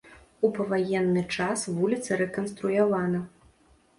У паваенны час вуліца рэканструявана.